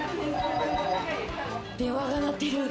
電話が鳴ってる。